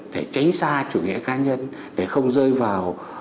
để tránh xa chủ nghĩa cá nhân để không rơi vào